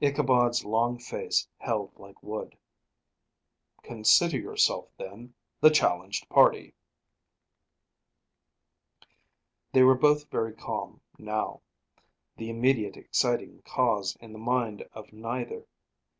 Ichabod's long face held like wood. "Consider yourself, then, the challenged party." They were both very calm, now; the immediate exciting cause in the mind of neither.